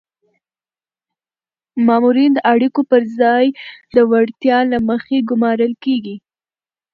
مامورین د اړیکو پر ځای د وړتیا له مخې ګمارل کیږي.